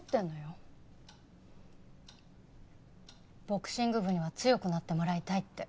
ボクシング部には強くなってもらいたいって。